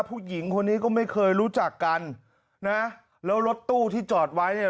ผู้หญิงคนนี้ก็ไม่เคยรู้จักกันนะแล้วรถตู้ที่จอดไว้เนี่ย